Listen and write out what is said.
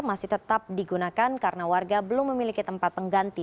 masih tetap digunakan karena warga belum memiliki tempat pengganti